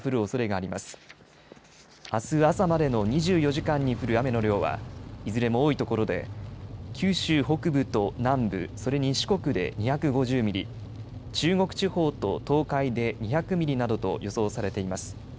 あす朝までの２４時間に降る雨の量はいずれも多いところで九州北部と南部、それに四国で２５０ミリ、中国地方と東海で２００ミリなどと予想されています。